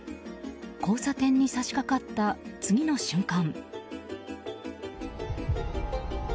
交差点に差し掛かった次の瞬間。